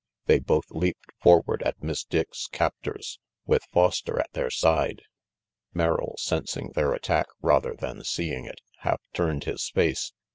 They both leaped forward at Miss Dick's captors, with Foster at their side. Merrill, sensing their attack rather than seeing it, half turned his face.